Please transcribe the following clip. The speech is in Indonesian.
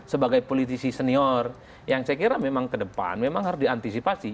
sebagai politisi senior yang saya kira memang ke depan memang harus diantisipasi